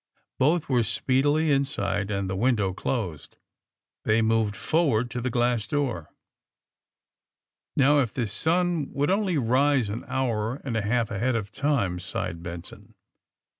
' Both were speedily inside, and the window closed. They moved forward to the glass door. *^ Now, if the sun would only rise an hour and a half ahead of time !'' sighed Benson.